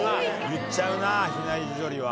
言っちゃうな比内地鶏は。